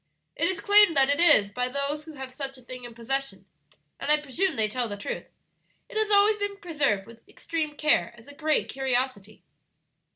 "It is claimed that it is by those who have such a thing in possession, and I presume they tell the truth. It has always been preserved with extreme care as a great curiosity.